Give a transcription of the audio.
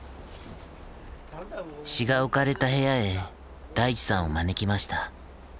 詩が置かれた部屋へ大地さんを招きました。